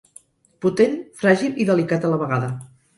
Potent, fràgil i delicat a la vegada.